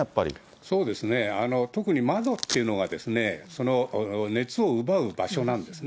そうですね、特に特に窓っていうのが、熱を奪う場所なんですね。